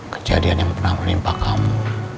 kejadian yang pernah menimpa kamu